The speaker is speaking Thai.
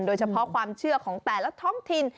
โดยเฉพาะความเชื่อของแต่ละท้องถิ่น